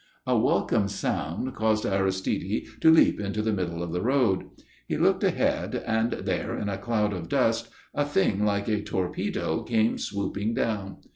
A welcome sound caused Aristide to leap into the middle of the road. He looked ahead, and there, in a cloud of dust, a thing like a torpedo came swooping down.